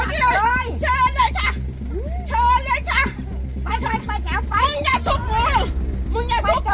เมื่อมึงชุกกูก่อนนะ